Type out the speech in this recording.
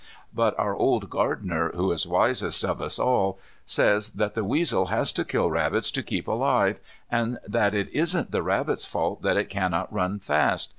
But our old gardener, who is wisest of us all, says that the weasel has to kill rabbits to keep alive, and that it isn't the rabbit's fault that it cannot run fast.